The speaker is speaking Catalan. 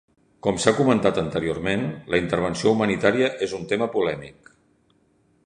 Com s'ha comentat anteriorment, la intervenció humanitària és un tema polèmic.